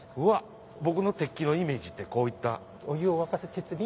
僕の鉄器のイメージってこういった。